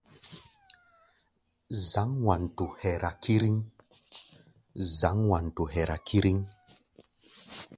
Zǎŋ Wanto hɛra kíríŋ.